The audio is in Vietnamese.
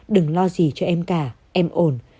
đừng lo gì cho em cả em ổn